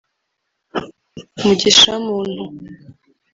Mugisha Muntu